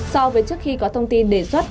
so với trước khi có thông tin đề xuất